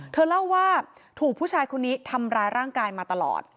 เธอเล่าว่าถูกผู้ชายคนนี้ทำร้ายร่างกายมาตลอด